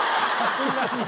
そんなに？